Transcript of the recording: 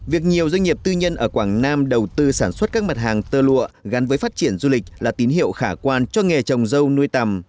việc nhiều doanh nghiệp tư nhân ở quảng nam đầu tư sản xuất các mặt hàng tơ lụa gắn với phát triển du lịch là tín hiệu khả quan cho nghề trồng dâu nuôi tầm